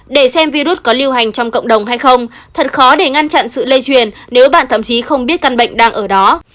để xem virus có lưu hành trong cộng đồng hay không thật khó để ngăn chặn sự lây truyền nếu bạn thậm chí không biết căn bệnh đang ở đó